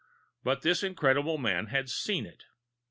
But this incredible man had seen it!